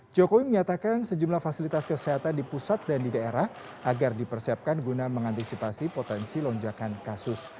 jokowi menyatakan sejumlah fasilitas kesehatan di pusat dan di daerah agar dipersiapkan guna mengantisipasi potensi lonjakan kasus